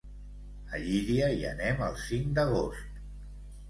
A Llíria hi anem el cinc d'agost.